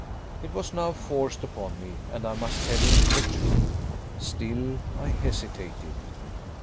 It was now forced upon me, and I must tell him the truth. Still I hesitated.